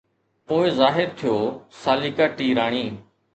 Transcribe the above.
پوءِ ظاهر ٿيو ساليڪا ٽي راڻي